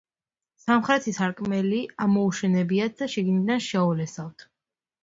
სამხრეთის სარკმელი ამოუშენებიათ და შიგნიდან შეულესავთ.